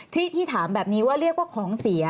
ที่ถามแบบนี้ว่าเรียกว่าของเสีย